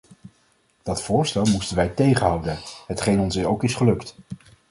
Dat voorstel moesten wij tegenhouden, hetgeen ons ook is gelukt.